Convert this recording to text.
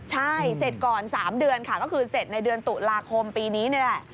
ใช่เสร็จก่อน๓เดือนค่ะก็คือเสร็จในเดือนตุลาคมปีนี้นี่แหละ